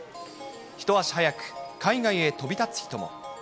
一足早く海外へ飛び立つ人も。